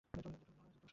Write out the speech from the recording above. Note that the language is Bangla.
কিন্তু একজন অসুস্থ।